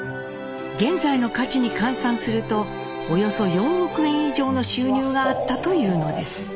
現在の価値に換算するとおよそ４億円以上の収入があったというのです。